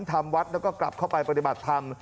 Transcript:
ทำวัดแล้วก็กลับเข้าไปปฏิบัติธรรม